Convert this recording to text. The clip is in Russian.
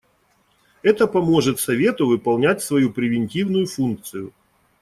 Это поможет Совету выполнять свою превентивную функцию.